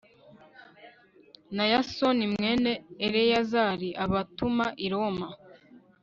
na yasoni mwene eleyazari, abatuma i roma